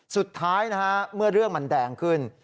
สุดท้ายนะฮะเมื่อเรื่องมันแดงขึ้น